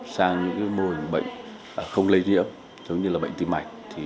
sang những mô hình bệnh không lây nhiễm giống như là bệnh tim mạch